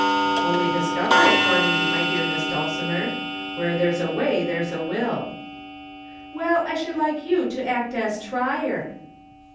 "Only discover it for me, my dear Miss Dulcimer. Where there's a way there's a will." "Well, I should like you to act as Trier."